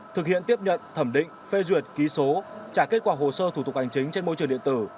thực hiện tiếp nhận thẩm định phê duyệt ký số trả kết quả hồ sơ thủ tục hành chính trên môi trường điện tử